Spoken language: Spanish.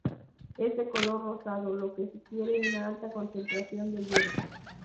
Es de color rosado, lo que sugiere una alta concentración de hielo.